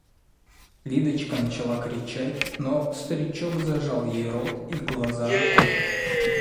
Лидочка начала кричать, но старичок зажал ей рот и глаза рукой.